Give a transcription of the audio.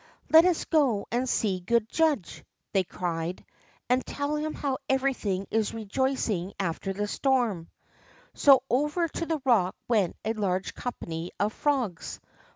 Let us go and see our good judge,'' they cried, and tell him how everything is rejoicing after the storm." So over to the rock went a large company of frogs.